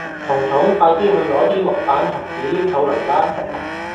彤彤快啲去攞啲木板同紙黏土嚟啦